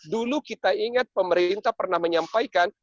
dulu kita ingat pemerintah pernah menyampaikan